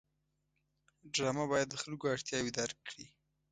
ډرامه باید د خلکو اړتیاوې درک کړي